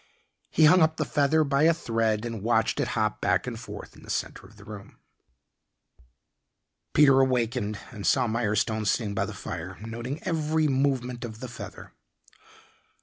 He hung up the feather by a thread and watched it hop back and forth in the center of the room. Peter awakened and saw Mirestone sitting by the fire noting every movement of the feather.